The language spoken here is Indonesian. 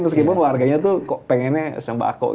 meskipun warganya tuh pengennya sama aku